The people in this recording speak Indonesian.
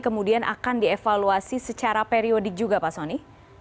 kemudian akan dievaluasi secara periodik juga pak soni